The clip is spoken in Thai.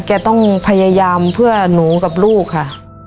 แกต้องพยายามเพื่อหนูกับลูกค่ะ